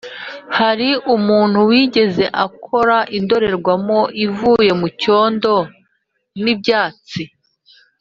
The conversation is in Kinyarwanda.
hari umuntu wigeze akora indorerwamo ivuye mucyondo n'ibyatsi?